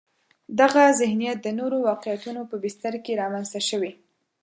دغه ذهنیت د نورو واقعیتونو په بستر کې رامنځته شوی.